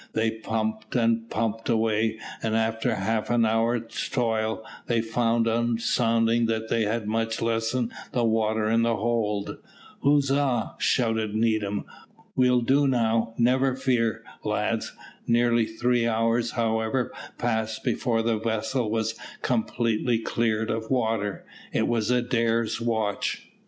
They pumped and pumped away, and after half an hour's toil they found on sounding that they had much lessened the water in the hold. "Huzza!" shouted Needham; "we'll do now, never fear, lads!" Nearly three hours, however, passed before the vessel was completely cleared of water. It was Adair's watch.